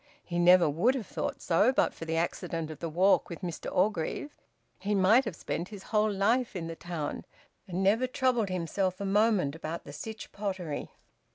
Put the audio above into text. He never would have thought so but for the accident of the walk with Mr Orgreave; he might have spent his whole life in the town, and never troubled himself a moment about the Sytch Pottery.